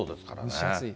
蒸し暑い。